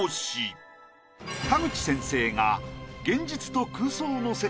田口先生が。